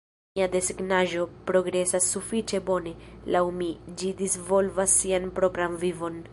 Mia desegnaĵo progresas sufiĉe bone, laŭ mi; ĝi disvolvas sian propran vivon.